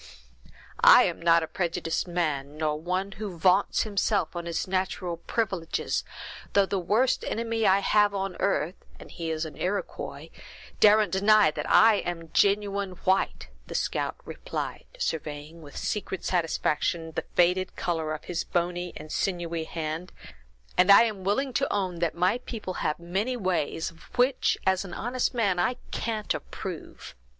"I am not a prejudiced man, nor one who vaunts himself on his natural privileges, though the worst enemy I have on earth, and he is an Iroquois, daren't deny that I am genuine white," the scout replied, surveying, with secret satisfaction, the faded color of his bony and sinewy hand, "and I am willing to own that my people have many ways, of which, as an honest man, I can't approve.